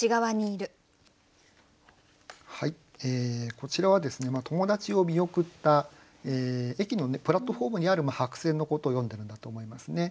こちらは友達を見送った駅のプラットホームにある白線のことを詠んでるんだと思いますね。